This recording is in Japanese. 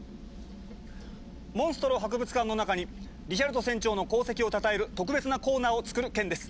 モンストロ博物館の中にリヒャルト船長の功績をたたえる特別なコーナーをつくる件です。